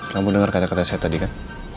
kamu dengar kata kata saya tadi kan